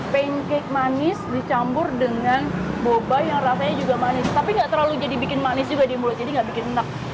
pancake manis dicampur dengan boba yang rasanya juga manis tapi nggak terlalu jadi bikin manis juga di mulut jadi nggak bikin enak